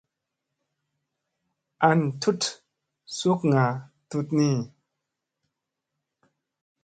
An tut sukŋa tut ni.